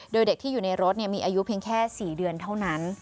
โดยเด็กที่อยู่ในรถมีอายุเพียงแค่๔เดือนเท่านั้น